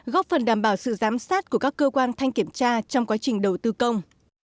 góp phần đảm bảo sự giám sát của các cơ quan thanh kiểm tra trong quá trình đầu tư công